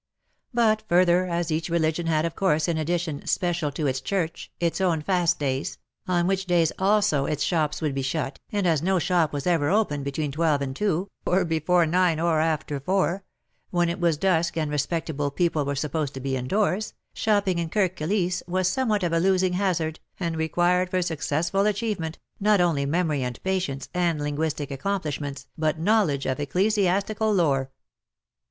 But further, as each religion had of course in addition — special to its Church — its own fast days, on which days also its shops would be shut, and as no shop was ever open between twelve and two, or before nine or after four, when it was dusk and respectable people were supposed to be indoors, shopping in Kirk Kilisse was somewhat of a losing hazard, and required for successful achievement, not only memory and patience and linguistic accomplishments, but knowledge of ecclesi astical lore.